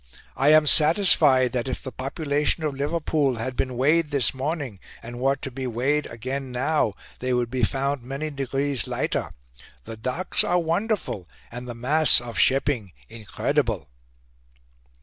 I am satisfied that if the population of Liverpool had been weighed this morning, and were to be weighed again now, they would be found many degrees lighter. The docks are wonderful, and the mass of shipping incredible."